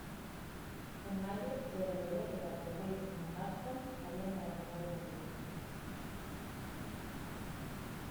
En mayo se reveló que tanto Weisz como Hallström habían abandonado el proyecto.